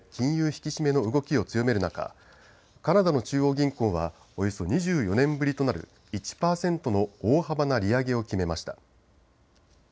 引き締めの動きを強める中、カナダの中央銀行はおよそ２４年ぶりとなる１％の大幅な利上げを決めました。